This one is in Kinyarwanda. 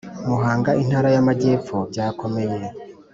Muhanga Intara y Amajyepfo byakomeye